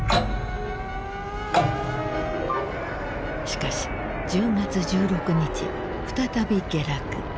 しかし１０月１６日再び下落。